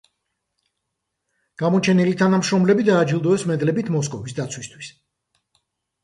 გამოჩენილი თანამშრომლები დააჯილდოეს მედლებით „მოსკოვის დაცვისათვის“.